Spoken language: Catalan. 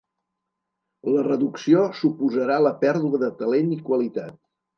La reducció suposarà la pèrdua de talent i qualitat.